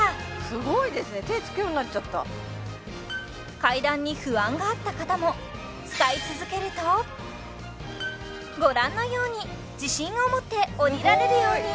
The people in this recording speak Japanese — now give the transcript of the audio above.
すごいですね手つくようになっちゃった階段に不安があった方も使い続けるとご覧のように自信を持って下りられるように